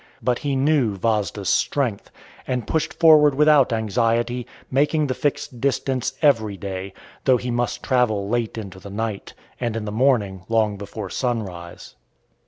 But he knew Vasda's strength, and pushed forward without anxiety, making the fixed distance every day, though he must travel late into the night, and in the morning long before sunrise.